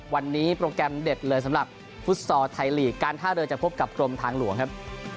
วันนี้โปรแกรมเด็ดเลยสำหรับฟุตซอร์ไทยลีกการท่าเรือจะพบกับกรมทางหลวงครับ